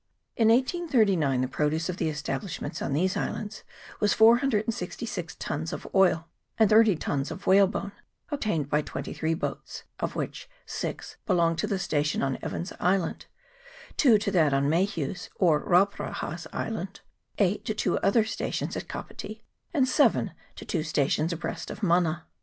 In 1839 the pro duce of the establishments on these islands was 466 tuns of oil and thirty tons of whalebone, obtained by twenty three boats ; of which six belonged to the sta tion on Evans's Island ; two to that on Mayhew's, or Rauparaha's Island ; eight to two other stations at Kapiti ; and seven to two stations abreast of Mana.